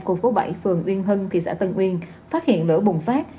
của phố bảy phường uyên hưng thị xã tân uyên phát hiện lửa bùng phát